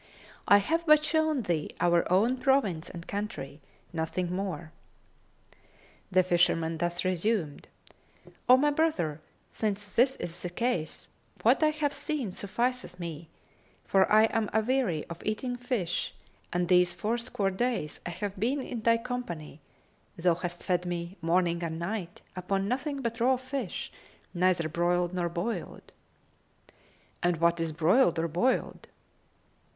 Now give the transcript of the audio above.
I have but shown thee our own province and country, nothing more." The fisherman thus resumed, "O my brother, since this is the case, what I have seen sufficeth me, for I am a weary of eating fish, and these fourscore days I have been in thy company, thou hast fed me, morning and night, upon nothing but raw fish, neither broiled nor boiled." "And what is broiled or boiled?"